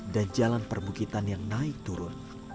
dan jalan perbukitan yang naik turun